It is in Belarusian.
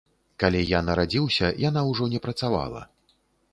Калі я нарадзіўся, яна ўжо не працавала.